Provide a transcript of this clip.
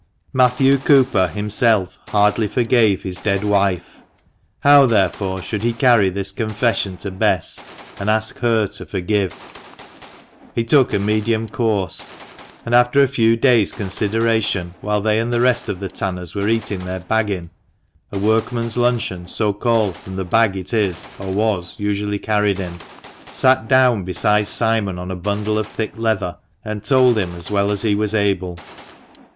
Matthew Cooper himself hardly forgave his dead wife. How, therefore, should he carry this confession to Bess, and ask her to forgive ? He took a medium course ; and after a few days' consideration, while they and the rest of the tanners were eating their " baggin " (a workman's luncheon, so called from the bag it is, or was, usually carried in), sat down beside Simon on a bundle of thick leather, and told him as well as he was able.